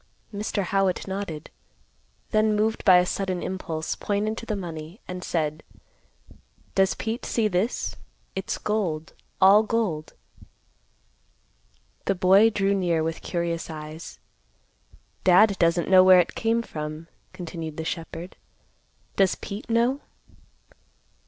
Mr. Howitt nodded; then, moved by a sudden impulse, pointed to the money, and said, "Does Pete see this? It's gold, all gold." The boy drew near with curious eyes. "Dad doesn't know where it came from," continued the shepherd. "Does Pete know?"